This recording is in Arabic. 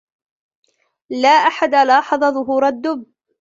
لا أحد لاحظ ظهور الدب.